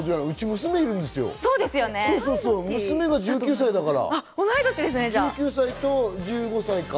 娘が１９歳だから。